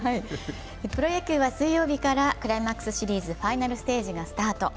プロ野球は水曜日からクライマックスシリーズファイナルステージがスタート。